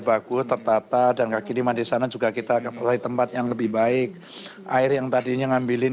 bagus tertata dan kaki lima di sana juga kita kasih tempat yang lebih baik air yang tadinya ngambilin